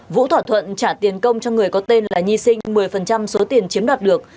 vũ thỏa thuận trả tiền công cho người có tên là nhi sinh một mươi số tiền chiếm đoạt được